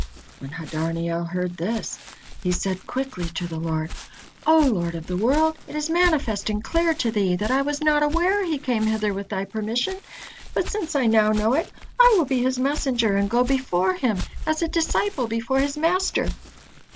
When Hadarniel heard this, he said quickly to the Lord: "O Lord of the world! It is manifest and clear to Thee, that I was not aware he came hither with Thy permission, but since I now know it, I will be his messenger and go before him as a disciple before his master."